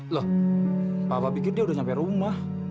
loh papa pikir dia udah nyampe rumah